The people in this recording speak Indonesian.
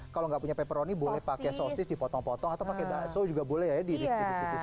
kalau nggak punya pepperoni boleh pakai sosis dipotong potong atau pakai bakso juga boleh ya diiris tipis tipis